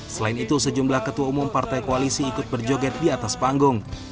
selain itu sejumlah ketua umum partai koalisi ikut berjoget di atas panggung